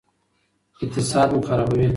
اقتصاد مو خرابوي.